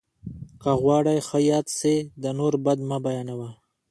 که غواړې ښه یاد سې، د نور بد مه بيانوه!